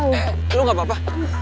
eh eh eh eh lo gak apa apa